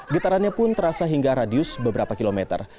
getarannya pun terasa hingga radius beberapa kilometer